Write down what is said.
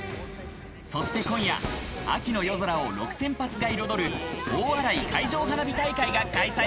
そして今夜、秋の夜空を６０００発が彩る大洗海上花火大会が開催。